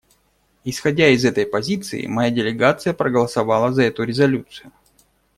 Исходя из этой позиции, моя делегация проголосовала за эту резолюцию.